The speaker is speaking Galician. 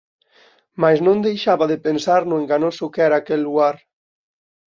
Mais non deixaba de pensar no enganoso que era aquel luar.